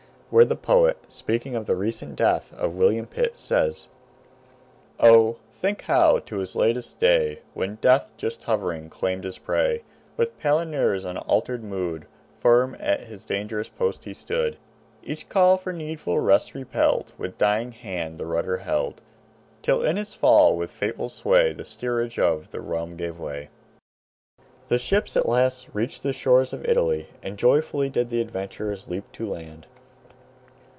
where the poet, speaking of the recent death of William Pitt, says: "O, think how, to his latest day, When death just hovering claimed his prey, With Palinure's unaltered mood, Firm at his dangerous post he stood; Each call for needful rest repelled, With dying hand the rudder held, Till in his fall, with fateful sway, The steerage of the realm gave way." The ships at last reached the shores of Italy, and joyfully did the adventurers leap to land.